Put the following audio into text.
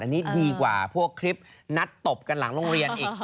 อันนี้ดีกว่าพวกคลิปนัดตบกันหลังโรงเรียนอีก